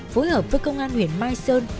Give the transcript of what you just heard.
phối hợp với công an huyện mai sơn